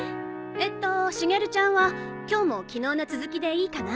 えっと茂ちゃんは今日も昨日の続きでいいかな？